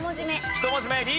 １文字目「り」。